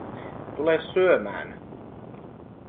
Tule syömään